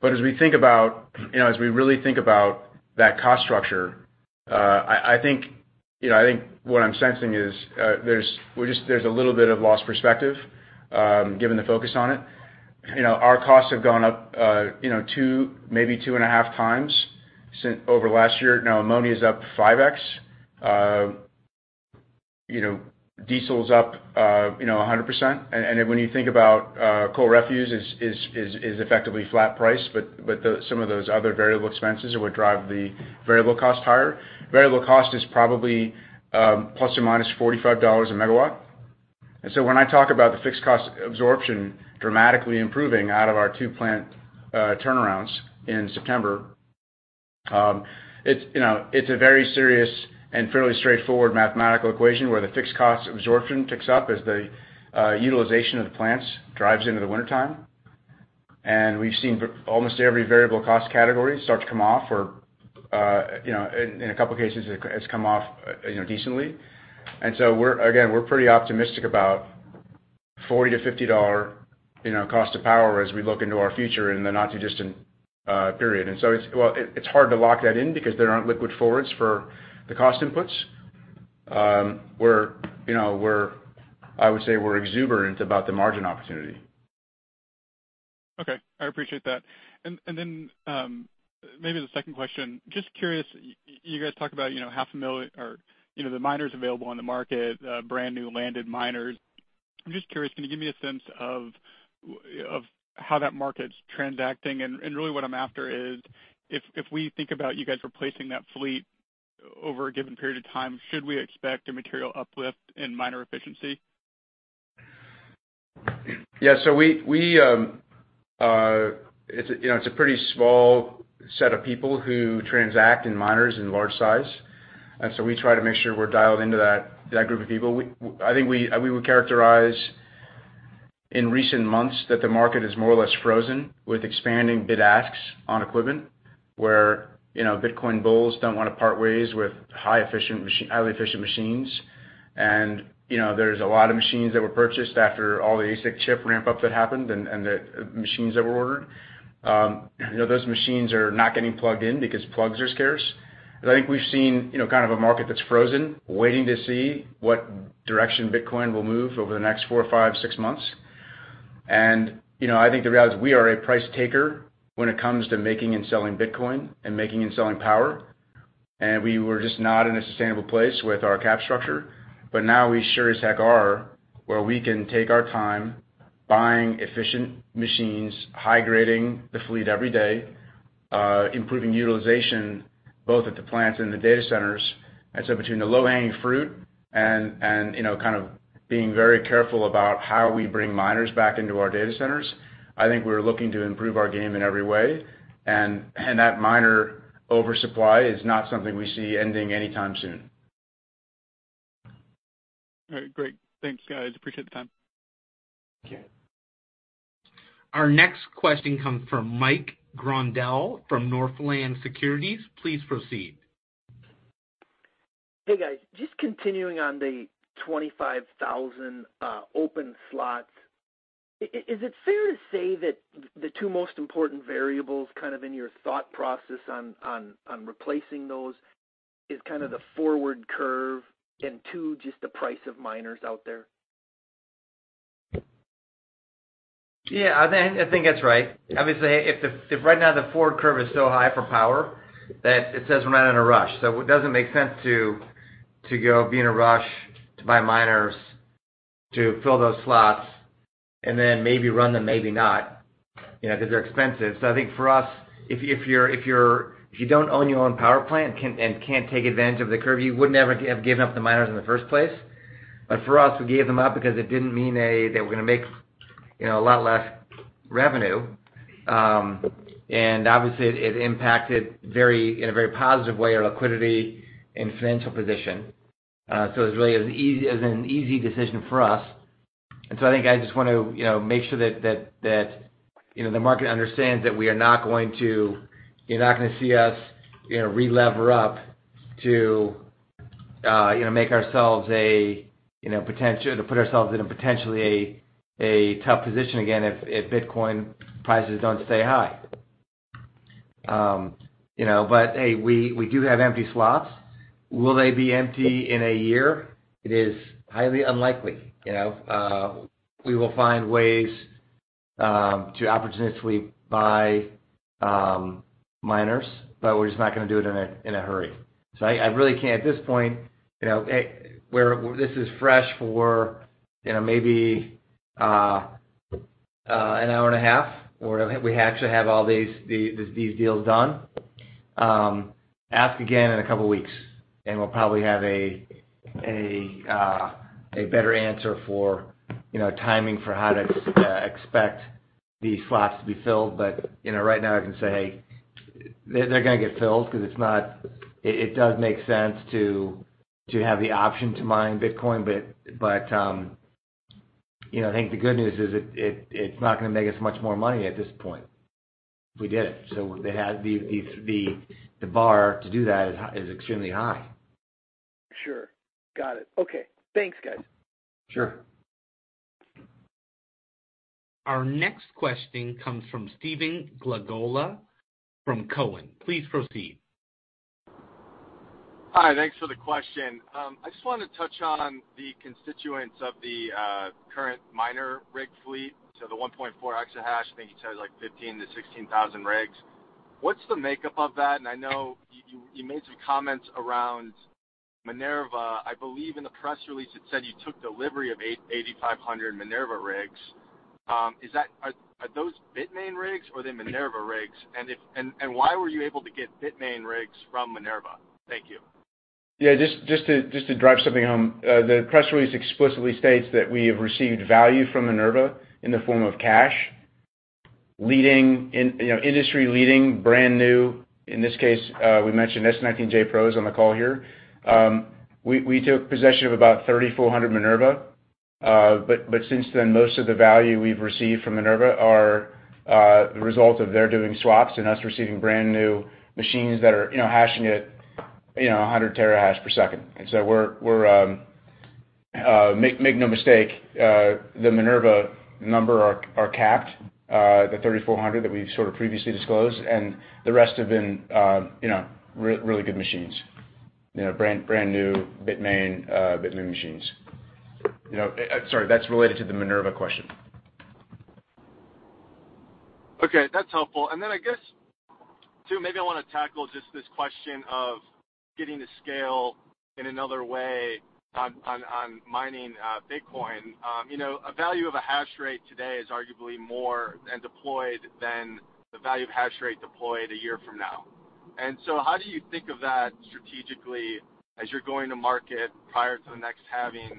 [SPEAKER 4] As we think about as we really think about that cost structure, I think what I'm sensing is there's a little bit of lost perspective given the focus on it. Our costs have gone up 2x, maybe 2.5x over the last year. Now ammonia is up 5x. You know, diesel's up, you know, 100%. When you think about, coal refuse is effectively flat price, but some of those other variable expenses are what drive the variable cost higher. Variable cost is probably ±$45/MW. When I talk about the fixed cost absorption dramatically improving out of our two plant turnarounds in September, it's a very serious and fairly straightforward mathematical equation where the fixed cost absorption ticks up as the utilization of the plants drives into the wintertime. We've seen almost every variable cost category start to come off or, you know, in a couple cases, it has come off, you know, decently. We're pretty optimistic about $40-$50, you know, cost of power as we look into our future in the not-too-distant period. It's hard to lock that in because there aren't liquid forwards for the cost inputs. We're, you know, I would say we're exuberant about the margin opportunity.
[SPEAKER 8] Okay. I appreciate that. Maybe the second question. Just curious, you guys talk about, you know, 500,000 or, you know, the miners available on the market, brand new landed miners. I'm just curious, can you give me a sense of of how that market's transacting? Really what I'm after is if we think about you guys replacing that fleet over a given period of time, should we expect a material uplift in miner efficiency?
[SPEAKER 4] Yeah. It's a, you know, it's a pretty small set of people who transact in miners in large size. We try to make sure we're dialed into that group of people. I think we would characterize in recent months that the market is more or less frozen with expanding bid asks on equipment where, you know, Bitcoin bulls don't wanna part ways with highly efficient machines. You know, there's a lot of machines that were purchased after all the ASIC chip ramp-up that happened and the machines that were ordered. You know, those machines are not getting plugged in because plugs are scarce. I think we've seen, you know, kind of a market that's frozen, waiting to see what direction Bitcoin will move over the next four, five, six months. You know, I think the reality is we are a price taker when it comes to making and selling Bitcoin and making and selling power. We were just not in a sustainable place with our cap structure. Now we sure as heck are, where we can take our time buying efficient machines, high grading the fleet every day, improving utilization both at the plants and the data centers. Between the low-hanging fruit and you know, kind of being very careful about how we bring miners back into our data centers, I think we're looking to improve our game in every way. That miner oversupply is not something we see ending anytime soon.
[SPEAKER 8] All right. Great. Thanks, guys. Appreciate the time.
[SPEAKER 4] Okay.
[SPEAKER 1] Our next question comes from Michael Grondahl from Northland Securities. Please proceed.
[SPEAKER 9] Hey, guys. Just continuing on the 25,000 open slots. Is it fair to say that the two most important variables kind of in your thought process on replacing those is kind of the forward curve and too, just the price of miners out there?
[SPEAKER 4] I think that's right. Obviously, if right now the forward curve is so high for power that it says we're not in a rush. It doesn't make sense to go be in a rush to buy miners to fill those slots and then maybe run them, maybe not, you know, because they're expensive. I think for us, if you don't own your own power plant and can't take advantage of the curve, you would never have given up the miners in the first place. For us, we gave them up because it didn't mean that we're gonna make, you know, a lot less revenue. Obviously it impacted in a very positive way, our liquidity and financial position. It's really as easy as an easy decision for us. I think I just want to, you know, make sure that, you know, the market understands that we are not going to—you're not gonna see us, you know, relever up to, you know, make ourselves a, you know, potential—to put ourselves in a potentially a tough position again if Bitcoin prices don't stay high. You know, but hey, we do have empty slots. Will they be empty in a year? It is highly unlikely, you know. We will find ways to opportunistically buy miners, but we're just not gonna do it in a hurry. I really can't at this point, you know, where this is fresh for, you know, maybe an hour and a half or we have to have all these deals done. Ask again in a couple of weeks, and we'll probably have a better answer for, you know, timing for how to expect these slots to be filled. You know, right now I can say they're gonna get filled because it does make sense to have the option to mine Bitcoin. You know, I think the good news is it's not gonna make us much more money at this point if we did it. The bar to do that is extremely high.
[SPEAKER 9] Sure. Got it. Okay. Thanks, guys.
[SPEAKER 4] Sure.
[SPEAKER 1] Our next question comes from Stephen Glagola from Cowen. Please proceed.
[SPEAKER 10] Hi. Thanks for the question. I just wanted to touch on the constituents of the current miner rig fleet. The 1.4 exahash, I think you said like 15,000-16,000 rigs. What's the makeup of that? I know you made some comments around MinerVa. I believe in the press release it said you took delivery of 8,500 MinerVa rigs. Are those Bitmain rigs or are they MinerVa rigs? Why were you able to get Bitmain rigs from MinerVa? Thank you.
[SPEAKER 4] Yeah. Just to drive something home. The press release explicitly states that we have received value from MinerVa in the form of cash. Leading in, you know, industry-leading, brand new, in this case, we mentioned S19j Pros on the call here. We took possession of about 3,400 MinerVa. But since then, most of the value we've received from MinerVa are the result of their doing swaps and us receiving brand new machines that are, you know, hashing at you know, 100 terahash per second. Make no mistake, the MinerVa number are capped, the 3,400 that we sort of previously disclosed, and the rest have been, you know, really good machines. You know, brand-new Bitmain machines. You know, sorry, that's related to the MinerVa question.
[SPEAKER 10] Okay, that's helpful. I guess too, maybe I wanna tackle just this question of getting to scale in another way on mining Bitcoin. You know, a value of a hash rate today is arguably more and deployed than the value of hash rate deployed a year from now. How do you think of that strategically as you're going to market prior to the next halving,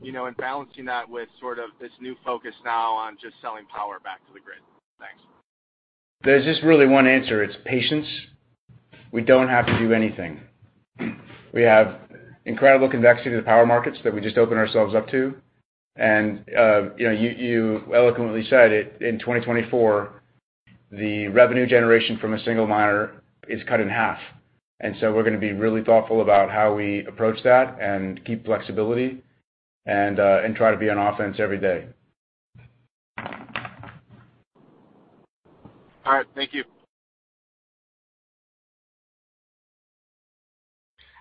[SPEAKER 10] you know, and balancing that with sort of this new focus now on just selling power back to the grid? Thanks.
[SPEAKER 4] There's just really one answer. It's patience. We don't have to do anything. We have incredible convexity to the power markets that we just opened ourselves up to. You know, you eloquently said it, in 2024, the revenue generation from a single miner is cut in half. We're gonna be really thoughtful about how we approach that and keep flexibility and try to be on offense every day.
[SPEAKER 10] All right. Thank you.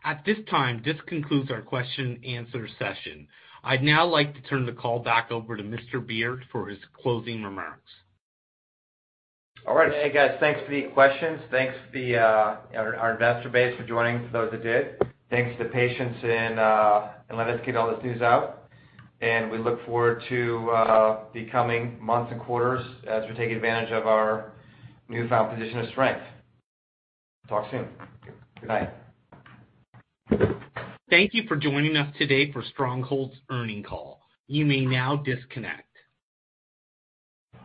[SPEAKER 1] At this time, this concludes our question and answer session. I'd now like to turn the call back over to Mr. Beard for his closing remarks.
[SPEAKER 3] All right. Hey, guys, thanks for the questions. Thanks to our investor base for joining, for those that did. Thanks for the patience and letting us get all this news out. We look forward to the coming months and quarters as we take advantage of our newfound position of strength. Talk soon. Good night.
[SPEAKER 1] Thank you for joining us today for Stronghold's earnings call. You may now disconnect.